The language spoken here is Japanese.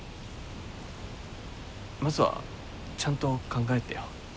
まずはちゃんと考えてよ。